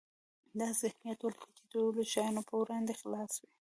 داسې ذهنيت ولره چې د ټولو شیانو په وړاندې خلاص وي.